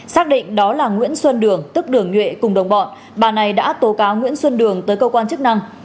xác định đó là nguyễn xuân đường tức đường nhuệ cùng đồng bọn bà này đã tố cáo nguyễn xuân đường tới cơ quan chức năng